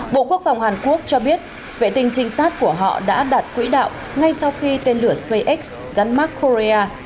bộ quốc phòng hàn quốc cho biết vệ tinh trinh sát của họ đã đặt quỹ đạo ngay sau khi tên lửa spacex danmark korea